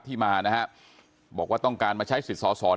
ที่มานะครับบอกว่าต้องการมาใช้สิทธิสอศอนะครับ